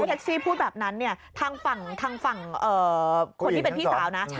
แท็กซี่พูดแบบนั้นเนี่ยทางฝั่งคนที่เป็นพี่สาวนะ